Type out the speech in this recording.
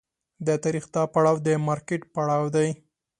د تاریخ دا پړاو د مارکېټ پړاو دی.